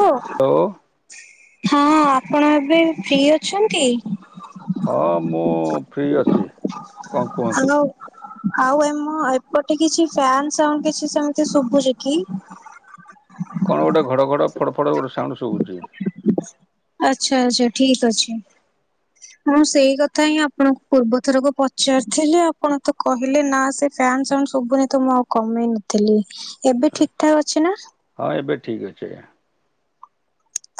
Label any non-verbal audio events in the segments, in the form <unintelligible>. ଓ ହ ହଁ ଆପଣ ଏବେ ଫ୍ରି ଅଛନ୍ତି? ହଁ ମୁଁ ଫ୍ରି ଅଛି କଣ କୁହନ୍ତୁ। ଆଉ ଆଉ ଏପଟେ କିଛି ଫ୍ୟାନ ସାଉଣ୍ଡ କିଛି ସେମିତି ଶୁଭୁଛି କି? କଣ ଗୋଟେ ଘଡ଼ ଘଡ଼ ଫଡ଼ ଫଡ଼ ଗୋଟେ ସାଉଣ୍ଡ ଶୁଭୁଛି। ଆଚ୍ଛା ଆଚ୍ଛା ଠିକ ଅଛି। ହ। ମୁଁ ସେଇ କଥା ହିଁ ଆପଣଙ୍କୁ ପୂର୍ବ ଥରକୁ ପଚାରିଥିଲି ଆପଣ ତ କହିଲେ ନା ସେ ଫ୍ୟାନ ସାଉଣ୍ଡ ସୁବୁନି ତ ମୁଁ ଆଉ କମେଇ ନଥିଲି ଏବେ ଠିକ ଠାକ୍ ଅଛି ନା? ହଁ ଏବେ ଠିକ ଅଛି ଆଜ୍ଞା।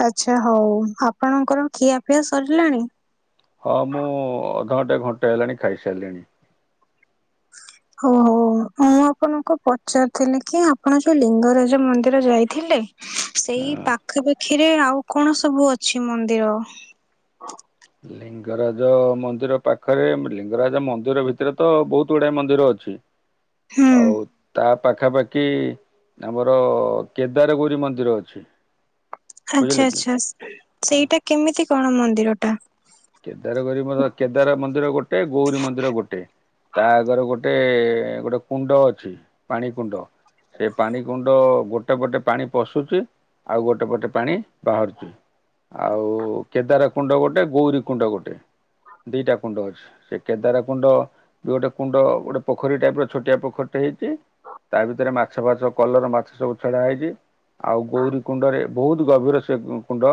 ଆଚ୍ଛା ହଉ ଆପଣଙ୍କର ଖିଆପିଆ ସରିଲାଣି? ହଁ ମୁଁ ଅଧଘଣ୍ଟେ ଘଣ୍ଟେ ହେଲାଣି ଖାଇସାରିଲିଣି। ହଉ ହଉ। ମୁଁ ଆପଣଙ୍କୁ ପଚାରିଥିଲି କି ଆପଣ ଯୋଉ ଲିଙ୍ଗରାଜ ମନ୍ଦିର ଯାଇଥିଲେ ସେଇ ହଁ ପାଖପାଖିରେ ଆଉ କଣ ସବୁ ଅଛି ମନ୍ଦିର? ଲିଙ୍ଗ ଲିଙ୍ଗରାଜ ମନ୍ଦିର ପାଖରେ ଲିଙ୍ଗରାଜ ମନ୍ଦିର ଭିତରେ ତ ବହୁତ ଗୁଡାଏ ମନ୍ଦିର ଅଛି। ହୁଁ ଆଉ ତା ପାଖାପାଖି ଆମର କେଦାରଗୌରି ମନ୍ଦିର ଅଛି। ଆଚ୍ଛା ବୁଝିଲେ କି ଆଚ୍ଛା ସେଇଟା କେମିତି କଣ ମନ୍ଦିରଟା? କେଦାରଗରି ମ କେଦାର ମନ୍ଦିର ଗୋଟେ ଗୌରୀ ମନ୍ଦିର ଗୋଟେ। ତା ଆଗରେ ଗୋଟେ ଗୋଟେ କୁଣ୍ଡ ଅଛି ପାଣି କୁଣ୍ଡ। ସେ ପାଣି କୁଣ୍ଡ ଗୋଟେ ପଟେ ପାଣି ପଶୁଛି। ଆଉ ଗୋଟେ ପଟେ ପାଣି ବାହାରୁଚି ଆଉ କେଦାର କୁଣ୍ଡ ଗୋଟେ ଗୌରୀ କୁଣ୍ଡ ଗୋଟେ ଦିଟା କୁଣ୍ଡ ଅଛି ସେ କେଦାର କୁଣ୍ଡ ବି ଗୋଟେ କୁଣ୍ଡ ଗୋଟେ ପୋଖରୀ ଟାଇପ ର ଛୋଟିଆ ପୋଖରୀଟେ ହେଇଛି। ତା ଭିତରେ ମାଛ ଫାଛ କଲର ମାଛ ସବୁ ଛଡା ହେଇଛି, ଆଉ ଗୌରୀ କୁଣ୍ଡରେ ବହୁତ ଗଭୀର ସେ କୁଣ୍ଡ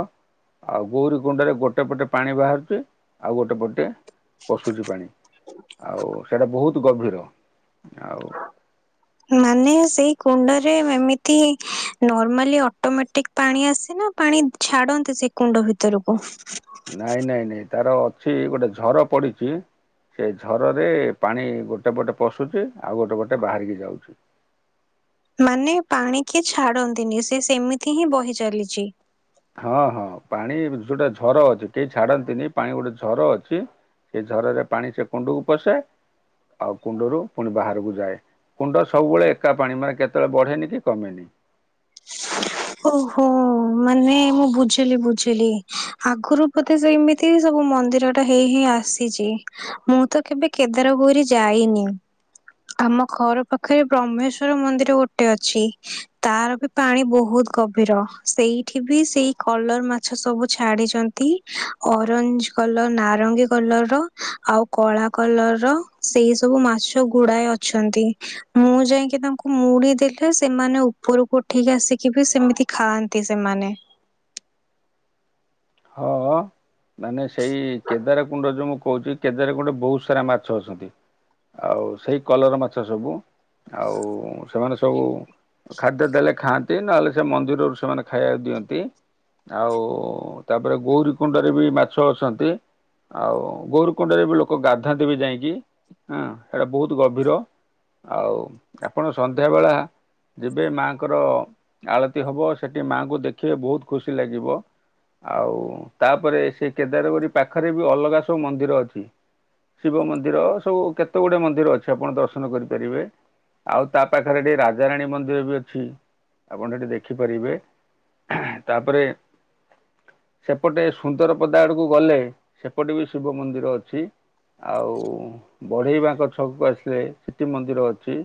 ଆଉ ଗୌରୀ କୁଣ୍ଡରେ ଗୋଟେ ପଟେ ପାଣି ବାହାରୁ ଆଉ ଗୋଟେ ପଟେ ପଶୁଛି ପାଣି, ଆଉ ସେଟା ବହୁତ୍ ଗଭୀର ଆଉ ମାନେ ସେଇ କୁଣ୍ଡରେ ଏମିତି ନର୍ମାଲି ଅଟୋମେଟିକ୍ ପାଣି ଆସେ ନା ପାଣି ଛାଡନ୍ତି ସେ କୁଣ୍ଡ ଭିତରକୁ? ନାଇଁ ନାଇଁ ନାଇଁ ତାର ଅଛି ଗୋଟେ ଅଛି ଝର ପଡିଛି। ସେ ଝରରେ ପାଣି ଗୋଟେ ପଟେ ପଶୁଛି ଆଉ ଗୋଟେ ପଟେ ବାହାରିକି ଯାଉଛି। ମାନେ ପାଣି କିଏ ଛାଡନ୍ତିନି ସେ ସେମିତି ହିଁ ବହି ଚାଲିଚି। ହଁ ହଁ ପାଣି ଯୋଉଟା ଝର ଅଛି କେହି ଛାଡନ୍ତିନି ପାଣି ଗୋଟେ ଝର ଅଛି। ସେ ଝରରେ ପାଣି ସେ କୁଣ୍ଡକୁ ପଶେ ଆଉ କୁଣ୍ଡରୁ ପୁଣି ବାହାରକୁ ଯାଏ। କୁଣ୍ଡ ସବୁବେଳେ ଏକା ପାଣି ମାନେ କେତେବେଳେ ବଢେନି କି କମେନି। ଓହୋ ମାନେ ମୁଁ ବୁଝିଲି ବୁଝିଲି ଆଗରୁ ବଧେ ସେଇମିତି ତି ସବୁ ମନ୍ଦିର ଟା ହେଇ ହେଇ ଆସିଛି। ମୁଁ ତ କେବେ କେଦାରଗୌରୀ ଯାଇନି। ଆମ ଘର ପାଖରେ ବ୍ରହ୍ମେଶ୍ଵର ମନ୍ଦିର ଗୋଟେ ଅଛି ତାର ବି ପାଣି ବହୁତ ଗଭୀର ସେଇଠି ବି ସେଇ କଲର ମାଛ ସବୁ ଛାଡିଚନ୍ତି ଅରେଞ୍ଜ କଲର, ନାରଙ୍ଗୀ କଲର ର ଆଉ କଳା କଲର ର। ସେଇ ସବୁ ମାଛ ଘୁଡାଏ ଅଛନ୍ତି। ମୁଁ ଯାଇକି ତାଙ୍କୁ ମୁଡି ଦେଲେ ସେମାନେ ଉପରକୁ ଉଠେଇକି ଆସିକି ବି ସେମିତି ଖାଆନ୍ତି ସେମାନେ। ହଁ। ମାନେ ସେଇ କେଦାର କୁଣ୍ଡ ଯୋଉ ମୁଁ କହୁଛି କେଦାର କୁଣ୍ଡରେ ବହୁତ ସାରା ମାଛ ଅଛନ୍ତି। ଆଉ ସେଇ କଲର ମାଛ ସବୁ ଆଉ ସେମାନେ ସବୁ ଖାଦ୍ୟ ଦେଲେ ଖାଆନ୍ତି ନହେଲେ ସେ ମନ୍ଦିରରୁ ସେମାନେ ଖାଇବାକୁ ଦିଅନ୍ତି ଆଉ ତାପରେ ଗୌରୀ କୁଣ୍ଡରେ ବି ମାଛ ଅଛନ୍ତି। ଆଉ ଗୌରି କୁଣ୍ଡରେ ବି ଲୋକ ଗାଧାନ୍ତି ବି ଯାଇକି ହୁଁ ସେଇଟା ବହୁତ ଗଭୀର। ଆଉ ଆପଣ ସନ୍ଧ୍ୟା ବେଳା ଯିବେ ମାଙ୍କର ଆଳତି ହବ ସେଠି ମାଙ୍କୁ ଦେଖିବେ ବହୁତ ଖୁସି ଲାଗିବ। ଆଉ ତାପରେ ସେ କେଦାରଗରି ପାଖରେ ବି ଅଲଗା ସବୁ ମନ୍ଦିର ଅଛି। ଶିବ ମନ୍ଦିର ସବୁ କେତେ ଗୁଡଏ ମନ୍ଦିର ଅଛି ଆପଣ ଦର୍ଶନ କରିପାରିବେ। ଆଉ ତା ପାଖରେ ଟଠିକେ ରାଜାରାଣୀ ମନ୍ଦିର ବି ଅଛି ଆପଣ ସେଠି ଦେଖିପାରିବେ। ତା ପରେ। ସେପଟେ ସୁନ୍ଦର ପଦା ଆଡ଼କୁ ଗଲେ ସେପଟେ ବି ଶିବ ମନ୍ଦିର ଅଛି। ଆଉ ବଢେଇବାଙ୍କ ଛକକୁ ଆସିଲେ ସିଠି ମନ୍ଦିର ଅଛି।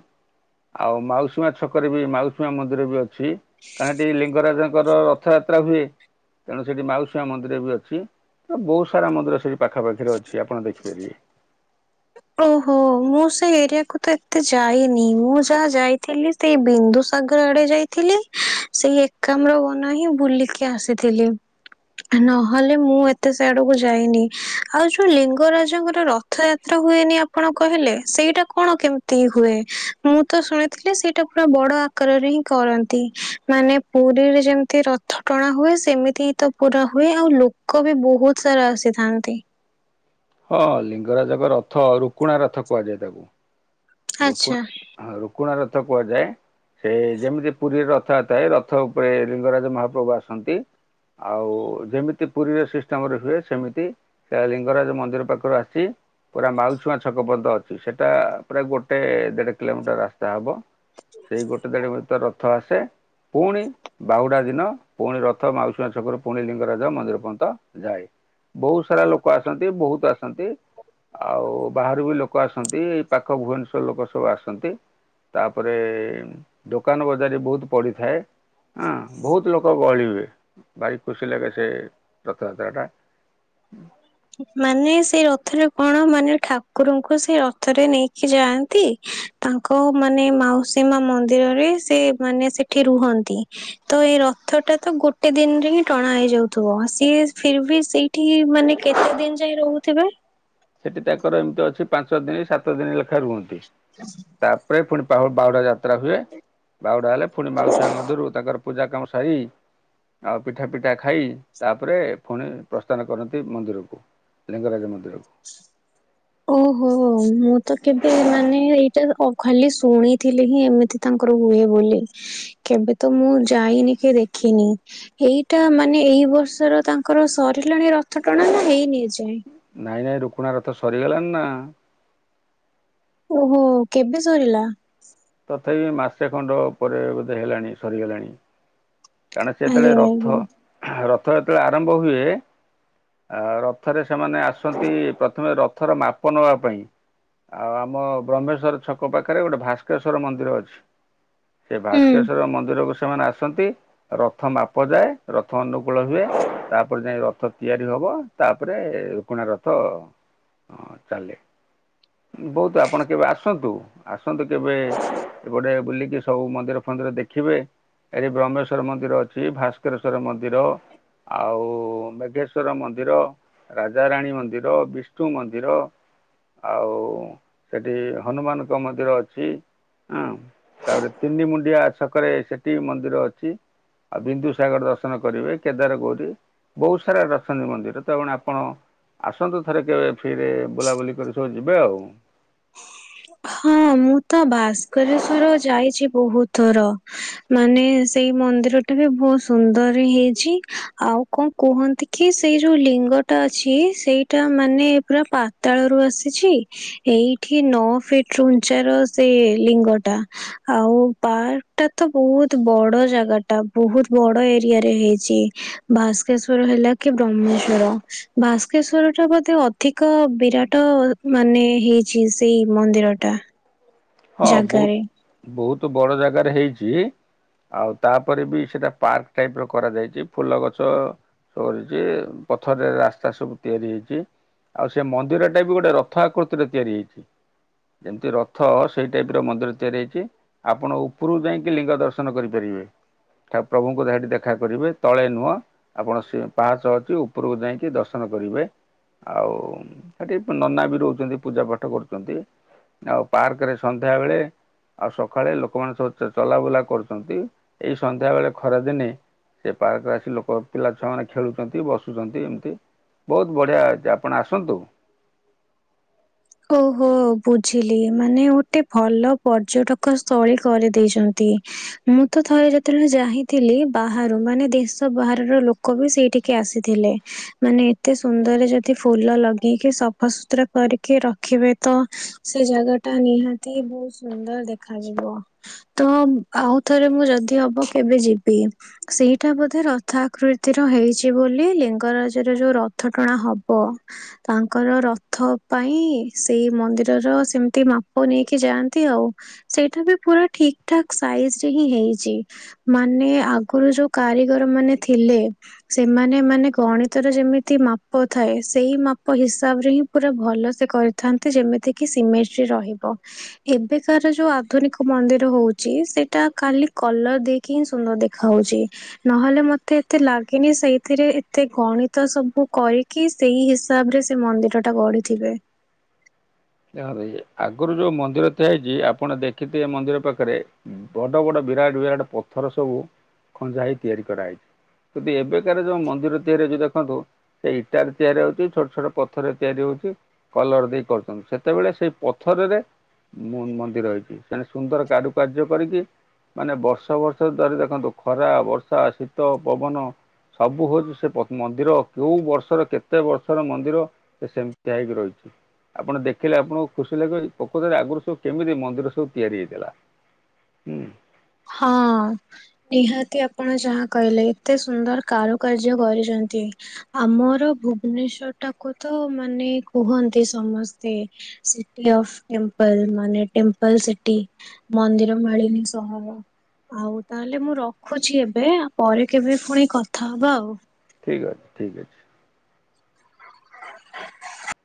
ଆଉ ମାଉସୀମା ଛକରେ ବି ମାଉସୀ ମା ମନ୍ଦିର ବି ଅଛି। କାହିଁକି ଲିଙ୍ଗରାଜଙ୍କର ରଥଯାତ୍ରା ହୁଏ। ତେଣୁ ସେଠି ମାଉସୀଆ ମନ୍ଦିର ବି ଅଛି ତ ବହୁତ ସାରା ମନ୍ଦିର ସେଠି ପାଖାପାଖିରେ ଅଛି ଆପଣ ଦେଖିପାରିବେ। ଓହୋ ମୁଁ ସେ ଏରିଆକୁ ତ ଏତେ ଯାଇନି ମୁଁ ଯାହା ଯାଇଥିଲି। ସେଇ ବିନ୍ଦୁସାଗର ଆଡେ ଯାଇଥିଲି ସେଇ ଏକାମ୍ର ବନ ହିଁ ବୁଲିକି ଆସିଥିଲି। ନହେଲେ ମୁଁ ଏତେ ସେ ଆଡକୁ ଯାଇନି ଆଉ ଯୋଉ ଲିଙ୍ଗରାଜଙ୍କର ରଥଯାତ୍ରା ହୁଏନି ଆପଣ କହିଲେ ସେଇଟା କଣ କେମିତି ହୁଏ ମୁଁ ତ ଶୁଣିଥିଲି ସେଇଟା ପୁରା ବଡ କରେ ହିଁ କରନ୍ତି ମାନେ ପୁରୀରେ ଯେମିତି ରଥ ଟଣା ହୁଏ ସେମିତି ତ ପୁର ହୁଏ ଆଉ ଲୋକ ବି ବହୁତ ସାରା ଆସିଥାନ୍ତି। ହଁ ଲିଙ୍ଗରାଜଙ୍କ ରଥ ରୁକୁଣା ରଥ କୁହାଯାଏ ତାକୁ। ରୁକୁଣ ଆଚ୍ଛା ରୁକୁଣା ରଥ କୁହାଯାଏ। ସେ ଯେମିତି ପୁରୀରେ ରଥ ଥାଏ ରଥ ଉପରେ ଲଙ୍ଗରାଜ ମହାପ୍ରଭୁ ଆସନ୍ତି। ଆଉ ଯେମିତି ପୁରୀର ସିଷ୍ଟମରେ ହୁଏ ସେମିତି। ସେଇ ଲିଙ୍ଗରାଜ ମନ୍ଦିର ପାଖରୁ ଆସିଛି ପୁରା ମାଉଛୁଆଁ ଛକ ପଦ ଅଛି ସେଟା ପୁରା ଗୋଟେ ଦେଢ କିଲୋମିଟର ରାସ୍ତା ହବ ସେଇ ଗୋଟେ ଦେଢ ଭିତର ରଥ ଆସେ ପୁଣି ବାହୁଡା ଦିନ ପୁଣି ରଥ ମାଉସୁଆ ଛକରୁ ପୁଣି ଲିଙ୍ଗରାଜ ମନ୍ଦିର ପର୍ଯ୍ୟନ୍ତ ଯାଏ। ବହୁତ ସାରା ଲୋକ ଆସନ୍ତି ବହୁତ ଆସନ୍ତି ଆଉ ବାହାରୁ ବି ଲୋକ ଆସନ୍ତି। ପାଖ ଭୁବନେଶ୍ଵର ଲୋକ ସବୁ ଆସନ୍ତି। ତାପରେ ଦୋକାନ ବଜାରୀ ବହୁତ ପଡିଥାଏ। ହଁ ବହୁତ ଲୋକ ଗହଳ ହୁଏ ଭାରି ଖୁସି ଲାଗେ ସେ ରଥଯାତ୍ରାଟା। ମାନେ ସେଇ ରଥରେ କଣ ମାନେ ଠାକୁରଙ୍କୁ ସେ ରଥରେ ନେଇକି ଯାଆନ୍ତି। ତାଙ୍କ ମାନେ ମାଉସୀ ମା ମନ୍ଦିରରେ ସେ ମାନେ ସେଠି ରୁହନ୍ତି। ତ ଏଇ ରଥ ଟା ତ ଗୋଟେ ଦିନରେ ହିଁ ଟଣା ହେଇଯାଉଥିବ ସିଏ ଫର ବି ସେଇଠି ମାନେ କେତେ ଦିନ ଯାଇ ରହୁଥିବେ। ସେଠି ତାଙ୍କର ଏମିତି ଅଛି ପାଞ୍ଚ ଦିନ ସାତ ଦିନ ଲେଖାଏ ରୁହନ୍ତି। ହ ତାପରେ ପୁଣି ପାହୁ ବାଉଡା ଯାତ୍ରା ହୁଏ ବାହୁଡା ହେଲେ ପୁଣି ମାଉସୀଆ ମଧରୁ ତାଙ୍କର। ପୂଜ କାମ ସାରି ଆଉ ପିଠା ପିଠା ଖାଇ ତାପରେ ପୁଣି ପ୍ରସ୍ଥାନ କରନ୍ତି ମନ୍ଦିରକୁ। ଲିଙ୍ଗରାଜ ମନ୍ଦିରକୁ। <unintelligible> ଓହୋ ମୁଁ ତ କେବେ ମାନେ ଏଇଟା ଖାଲି ଶୁଣିଥିଲି ହିଁ ଏମିତି। ତାଙ୍କର ହୁଏ ବୋଲି କେବେ ତ ମୁଁ ଯାଇନି କି ଦେଖିନି। ଏଇଟା ମାନେ ଏଇ ବର୍ଷର ତାଙ୍କର ସରିଲାଣି ରଥ ଟଣା ନା ହେଇନି ଏଯାଏ। ନାଇଁ ନାଇଁ ରୁକୁଣା ରଥ ସରିଗଲାଣି ନା। ଓହୋ କେବେ ସରିଲା। ତଥାପି ମାସେ ଖଣ୍ଡ ପରେ ବୋଧେ ହେଲାଣି ସରିଗଲାଣି। କାରଣ ଆରେ ସେତେବେଳେ ଆରେ ହୁଁ ରଥ। ରଥଯାତ୍ରା ଆରମ୍ଭ ହୁଏ ରଥରେ ସେମାନେ ଆସୁ ପ୍ରଥମେ ରଥର ମାପ ନବା ପାଇଁ ଆଉ ଆମ ବ୍ରହ୍ମେଶ୍ଵର ଛକ ପାଖରେ ଗୋଟେ ଭାସ୍କେଶ୍ଵର ମନ୍ଦିର ଅଛି। ସେ ଭାସ୍କେଶ୍ଵର ମନ୍ଦିରକୁ ସେମାନେ ଆସନ୍ତି ରଥ ମାପ ଯାଏ ରଥ ଅନୁ କୂଳ ହୁଏ ତାପରେ ଯାଇ ରଥ ତିଆରି ହବ ତାପରେ ରୁକୁଣା ରଥ ଚାଲେ। ବହୁତ ଆପଣ କେବେ ଆସନ୍ତୁ। ଆସନ୍ତୁ କେବେ ଏପଟେ ବୁଲିକି ସବୁ ମନ୍ଦିର ଫନ୍ଦିର ଦେଖିବେ ଏରି ବ୍ରମେଶ ଵର ମନ୍ଦିର ଅଛି ଭାସ୍କରେଶ୍ଵର ମନ୍ଦିର ଆଉ ମେଘେଶ୍ଵର ମନ୍ଦିର। ରାଜାରାଣୀ ମନ୍ଦିର, ବିଷ୍ଣୁ ମନ୍ଦିର ଆଉ ସେଠି ହନୁମାନଙ୍କ ମନ୍ଦିର ଅଛି। ହୁଁ ତାପରେ ତିଣ୍ଡି ମୁଣ୍ଡିଆ ଛକରେ ସେଠି ବି ମନ୍ଦିର ଅଛି। ଆଉ ବିନ୍ଦୁ ସାଗର ଦର୍ଶନ କରିବେ, କେଦାର ଗୌରୀ ବହୁତ ସାରା ରଶନୀ ମନ୍ଦିର ତ ଆପଣ ଆସନ୍ତୁ ଥରେ କେବେ ଫିରେ ବୁଲାବୁଲି କରି ସବୁ ଯିବେ ଆଉ। ହଁ ମୁଁ ତ ଭାସ୍କରେଶ୍ଵର ଯାଇଛି ବହୁତ ଥର। ମାନେ ସେଇ ମନ୍ଦିରଟା ବି ବହୁତ ସୁନ୍ଦର ହେଇଛି ଆଉ କଣ କୁହନ୍ତି କି ସେଇ ଯୋଉ ଲିଙ୍ଗ ଟା ଅଛି ସେଇଟା ମାନେ ପୁରା ପା ତାଳ ର ଆସିଛି ଏଇଠି ନଅ ଫିଟ ଉଞ୍ଚାର ସେ ଲିଙ୍ଗଟା। ଆଉ ପାର୍କ ଟା ତ ବହୁତ ବଡ ଜାଗା ଟା ବହୁତ ବଡ ଏରିଆ ରେ ହେଇଛି। ଭାସ୍କେଶ୍ଵର ହେଲା କି ବ୍ରହ୍ମେଶ୍ଵର ଭାସ୍କେଶ୍ଵର ଟା ବୋଧେ ଅଧିକ ବିରାଟ ମାନେ ହେଇଛି ସେଇ। ମନ୍ଦିର ଟା। ହଁ ବହୁତ ବହୁତ ବଡ ଜାଗାରେ ହେଇଛି। ଆଉ ତାପରେ ବି ସେଇଟା ପାର୍କ ଟାଇପ ର କରାଯାଇଛି ଫୁଲ ଗଛ ଛି ପଥରରେ ରାସ୍ତା ସବୁ ତିଆରି ହେଇଛି। ଆଉ ସେ ମନ୍ଦିରଟା ବି ଗୋଟେ ରଥ ଆକୃତିରେ ତିଆରି ହେଇଛି ଯେମିତି ରଥ ସେଇ ଟାଇପ୍ ର ମନ୍ଦିର ତିଆରି ହେଇଛି ଆପଣ ଉପରୁକୁ ଯାଇକି ଲିଙ୍ଗ ଦର୍ଶନ କରିପାରିବେ। ପ୍ରଭୁଙ୍କୁ ସେ ସେଠି ଦେଖା କରିବେ ତଳେ ନୁହଁ। ଆପଣ ସେ ପାହାଚ ଅଛି ଉପରକୁ ଯାଇକି ଦର୍ଶନ କରିବେ। ଆଉ ସେଠି ନନା ବି ରହୁଛନ୍ତି ପୂଜା ପାଠ କରୁଛନ୍ତି ଆଉ ପାର୍କ ରେ ସନ୍ଧ୍ୟାବେଳେ ଆଉ ସକାଳେ ଲୋକମାନେ ସବୁ ଚଲାବୁଲା କରୁଛନ୍ତି ଏଇ ସନ୍ଧ୍ୟା ବେଳେ ଖରାଦିନେ ସେ ପାର୍କରେ ଆସି ଲୋକ ପିଲା ଛୁଆ ମାନେ ଖେଳୁଛନ୍ତି ବସୁଛନ୍ତି ଏମିତି ବହୁତ ବଢ଼ିଆ ଅଛି ଆପଣ ଆସନ୍ତୁ। ଓହୋ ବୁଝିଲି ମାନେ ଗୋଟେ ଭଲ ପର୍ଯ୍ୟଟକ ସ୍ଥଳୀ କରିଦେଇଛନ୍ତି। ମୁଁ ତ ଥରେ ଯେତେବେଳେ ଯାଇଥିଲି ବାହାରୁ ମାନେ ଦେଶ ବାହାରର ଲୋକ ବି ସେଇଠି ଆସିଥିଲେ ମାନେ ଏତେ ସୁନ୍ଦର ଯଦି ଫୁଲ ଲଗେଇକି ସଫାସୁତୁରା କର କି ରଖିବେ ତ ସେ ଜାଗା ଟା ନିହାତି ବହୁତ ସୁନ୍ଦର ଦେଖାଯିବ। ତ ଆଉଥରେ ମୁଁ ଯଦି ହବ କେବେ ଯିବି। ସେଇଟା ବୋଧେ ରଥ ଆକୃତିର ହେଇଛି ବୋଲି ଲିଙ୍ଗରାଜରେ ଯୋଉ ରଥ ଟଣା ହବ ତାଙ୍କର ରଥ ପାଇଁ ସେଇ ମନ୍ଦିରର ସେମିତି ମାପ ନେଇକି ଯାଆନ୍ତି ଆଉ। ସେଇଟା ବି ପୁରା ଠିକ ଠାକ ସାଇଜ ରେ ହିଁ ହେଇଛି। ମାନେ ଆଗରୁ ଯୋଉ କାରିଗର ମାନେ ଥିଲେ ସେମାନେ ମାନେ ଗଣିତର ଯେମିତି ମାପ ଥାଏ ସେଇ ମାପ ହିସାବ ରେ ହିଁ ପୁରା ଭଲ ସେେ କରିଥାନ୍ତି, ଯେମିତିକି ସିମେସ୍ଟି ରହିବ। ଏବେକାର ଯୋଉ ଆଧୁନିକ ମନ୍ଦିର ହଉଛି, ସେଟା ଖାଲି କଲର୍ ଦେଇ କିନ୍ ସୁନ୍ଦର ଦେଖା ହଉଛି? ନହେଲେ ମତେ ଏତେ ଲାଗେନି, ସେଇଥିରେ ଏତେ ଗଣିତ ସବୁ କରି କି ସେଇ ହିସାବ ରେ, ସେ ମନ୍ଦିର ଟା ଗଢିଥିବେ। ଦେଖ ଆଗରୁ ଯୋଉ ମନ୍ଦିର ଆ ହେଇଛି, ଆପଣ ଦେଖିଥିବେ ଏ ମନ୍ଦିର ପାଖରେ ବଡ ବଡ ବିରାଟ ବିରାଟ ପଥର ସବୁ ଖଞ୍ଜା ହେଇ, ତିଆରି କରାହେଇଛି। ଯଦି ଏବେକାର ଯୋଉ ମନ୍ଦିର ତିଆରି ହଉଛି ଯୋଉ ଦେଖନ୍ତୁ ସେ ଇଟାରେ ତିଆରି ହଉଛି, ଛୋଟ ଛୋଟ ପଥରରେ ତିଆରି ହଉଛି, କଲର ଦେଇ କରୁଛନ୍ତି। ସେ ସେତେବେଳେ, ସେଇ ପଥରରେ ମନ୍ଦିର ହେଇଛି। ସେନେ ସୁନ୍ଦର କାରୁକାର୍ଯ୍ୟ କରିକି ମାନେ ବର୍ଷ ବର୍ଷ ଧାରି ଦେଖନ୍ତୁ ଖରା, ବର୍ଷା, ଶୀତ, ପବନ ସବୁ ହଉଛି ପ ସେ ମନ୍ଦିର, କେଉଁ ବର୍ଷର, କେତେ ବର୍ଷର ମନ୍ଦିର। ସେ ସେମିତିଆ ହେଇକି ରହିଛି। ଆପଣ ଦେଖ ଖିଲେ ଆପଣଙ୍କୁ ଖୁସି ଲାଗିବ, ଏଇ ପୋଖରିରେ ଆଗରୁ ସବୁ କେମିତି ମନ୍ଦିର ସବୁ ତିଆରି ହେଇଥିଲା। ହୁଁ। ହଁ। ନିହାତି ଆପଣ ଯାହା କହିଲେ, ଏତେ ସୁନ୍ଦର କାରୁକାର୍ଯ୍ୟ କରିଛନ୍ତି। ଆମର ଭୁବନେଶ୍ଵର ଟାକୁ ତ, ମାନେ କୁହନ୍ତି ସମସ୍ତେ। ସିଟି ଅଫ୍ ଟେମ୍ପଲ୍, ମାନେ ଟେମ୍ପଲ୍ ସିଟି। ମନ୍ଦିର ମାଳିନି ସହର। ଆଉ ତାହେଲେ ମୁଁ ରଖୁଛି ଏବେ, ଆଉ ପରେ କେବେ ପୁଣି କଥା ହବା ଆଉ? ଠିକ୍ ଅଛି, ଠିକ୍ ଅଛି। <unintelligible>